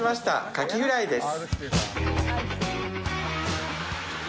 かきフライです。